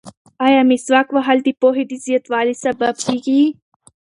ایا مسواک وهل د پوهې د زیاتوالي سبب کیږي؟